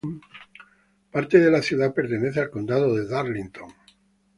Parte de la ciudad pertenece al Condado de Darlington.